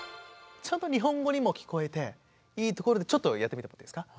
ちゃんと日本語にも聞こえていいところでちょっとやってみてもいいですか？